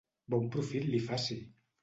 Bon profit li faci!